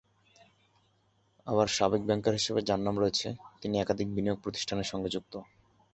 আবার সাবেক ব্যাংকার হিসেবে যাঁর নাম রয়েছে, তিনি একাধিক বিনিয়োগ প্রতিষ্ঠানের সঙ্গে যুক্ত।